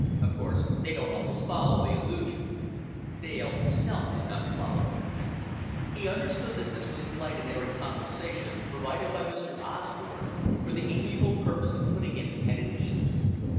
Of course they don't always follow the allusion." Dale himself did not follow it. He understood that this was light and airy conversation provided by Mr. Osborn for the amiable purpose of putting him at his ease.